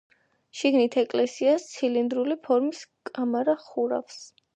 შიგნით ეკლესიას ცილინდრული ფორმის კამარა ხურავს.